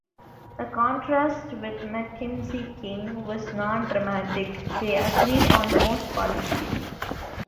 The contrast with Mackenzie King was not dramatic - they agreed on most policies.